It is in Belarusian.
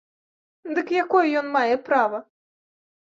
Дык якое ён мае права?